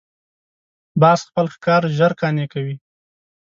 باز خپل ښکار ژر قانع کوي